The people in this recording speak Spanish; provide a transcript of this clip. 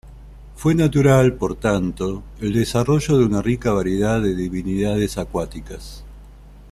Fue natural, por tanto, el desarrollo de una rica variedad de divinidades acuáticas.